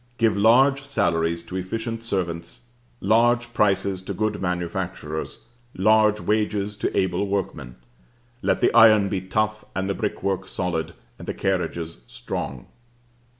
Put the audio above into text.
Give large salaries to efficient servants, large prices to good manufacturers, large wages to able workmen; let the iron be tough, and the brickwork solid, and the carriages strong.